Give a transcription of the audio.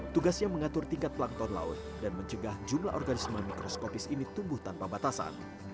tugasnya mengatur tingkat plankton laut dan mencegah jumlah organisme mikroskopis ini tumbuh tanpa batasan